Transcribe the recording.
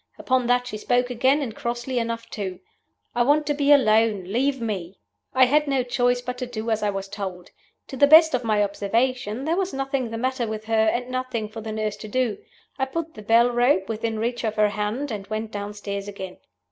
Upon that she spoke again, and crossly enough, too 'I want to be alone; leave me.' "I had no choice but to do as I was told. To the best of my observation, there was nothing the matter with her, and nothing for the nurse to do. I put the bell rope within reach of her hand, and I went downstairs again.